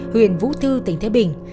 huyền vũ thư tỉnh thế bình